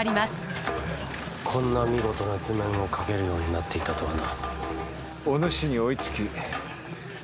こんな見事な図面を描けるようになっていたとはな。